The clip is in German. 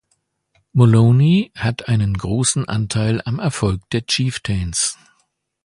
Moloney hat großen Anteil am Erfolg der Chieftains.